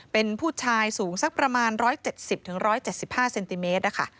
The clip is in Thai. เป็นผู้ชายสูงสักประมาณ๑๗๐๑๗๕เซนติเมตรนะคะ